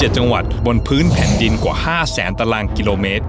๗จังหวัดบนพื้นแผ่นดินกว่า๕แสนตารางกิโลเมตร